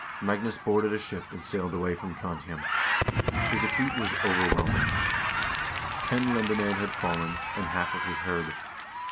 Magnus boarded a ship and sailed away from Trondhjem. His defeat was overwhelming. Ten lendermcend had fallen, and half of his hird.